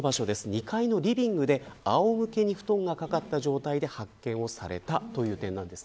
２階のリビングで、あおむけに布団がかかった状態で発見をされたということです。